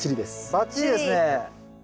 バッチリですね。